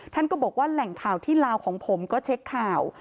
ท่านก็บอกว่าแหล่งข่าวที่ลาวของผมก็เช็คข่าว